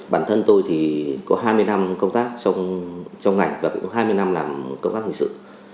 bản thân tôi thì có hai mươi năm công tác trong ngành và cũng hai mươi năm làm công tác hình sự